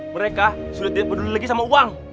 mereka sudah tidak peduli lagi sama uang